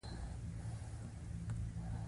زه نا امیده یم